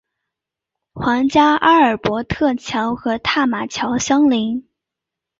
皇家阿尔伯特桥和塔马桥相邻。